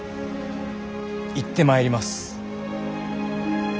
行ってまいります。